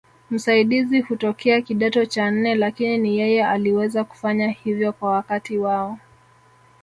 Msaidizi hutokea kidato cha nne Lakini ni yeye aliweza kufanya hivyo kwa wakati wao